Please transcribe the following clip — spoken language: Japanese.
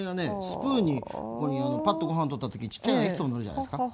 スプーンにパッとご飯を取った時ちっちゃいのがいくつものるじゃないですか。